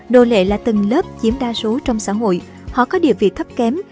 nô lệ là từng lớp chiếm đa số trong xã hội họ có địa vị thấp kém